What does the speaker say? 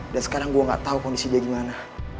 dan sekarang gue gak tahu kondisi dia gimana